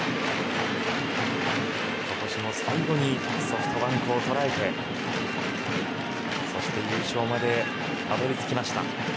今年も最後にソフトバンクを捉えてそして優勝までたどり着きました。